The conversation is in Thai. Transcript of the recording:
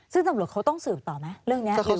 ซึ่งตำรวจเขาต้องสืบต่อไหมเรื่องนี้